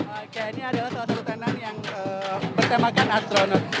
oke ini adalah salah satu tenan yang bertemakan astronot